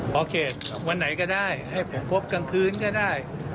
พอเขตวันไหนก็ได้ให้ผมพบกลางคืนก็ได้